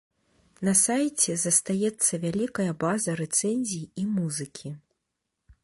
На сайце застаецца вялікая база рэцэнзій і музыкі.